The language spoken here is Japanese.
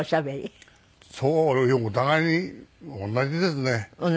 そうお互いに同じですね。